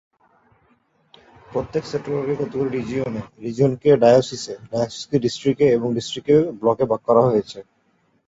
প্রত্যেক সেক্টরকে কতগুলি রিজিয়নে, রিজিয়নকে ডায়োসিসে, ডায়োসিসকে ডিস্ট্রিক্টে এবং ডিস্ট্রিক্টকে ব্লকে ভাগ করা হয়েছে।